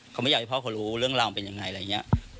เขาไม่อยากให้พ่อเขารู้เรื่องราวมันเป็นอย่างไร